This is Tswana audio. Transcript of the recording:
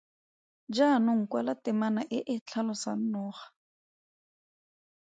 Jaanong kwala temana e e tlhalosang noga.